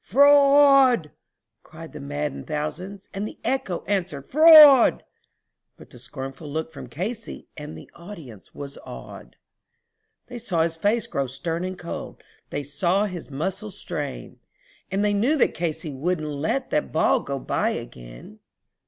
"Fraud!" yelled the maddened thousands, and the echo answered "Fraud," But one scornful look from Casey and the audience was awed; They saw his face grow stern and cold; they saw his muscles strain, And they knew that Casey would not let that ball go by again.